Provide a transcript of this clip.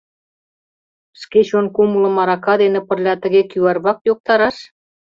Шке чон кумылым арака дене пырля тыге кӱварвак йоктараш?